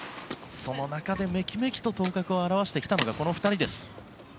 その中でめきめきと頭角を現してきたのがこの２人です。